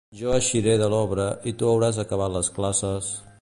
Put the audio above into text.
Jo eixiré de l’obra i tu hauràs acabat les classes...